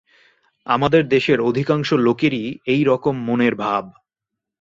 আমাদের দেশের অধিকাংশ লোকেরই এইরকম মনের ভাব।